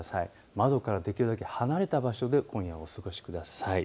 窓からできるだけ離れた場所で今夜はお過ごしください。